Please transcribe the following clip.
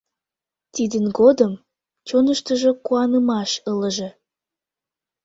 Тидын годым чоныштыжо куанымаш ылыже.